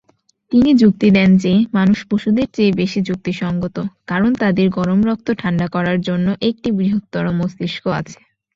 তিনি যুক্তি দেন যে মানুষ পশুদের চেয়ে বেশি যুক্তিসঙ্গত, কারণ তাদের গরম রক্ত ঠান্ডা করার জন্য একটি বৃহত্তর মস্তিষ্ক আছে।